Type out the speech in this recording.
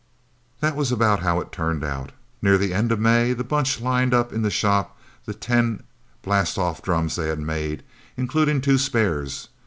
That was about how it turned out. Near the end of May, the Bunch lined up in the shop, the ten blastoff drums they had made, including two spares.